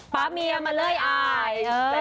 ๊าเมียมาเลยอาย